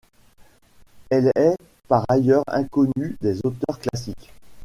Elle est par ailleurs inconnue des auteurs classiques.